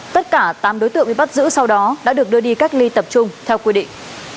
tất cả tám đối tượng bị bắt giữ sau đó đã được đưa đi cách ly tập trung theo quy định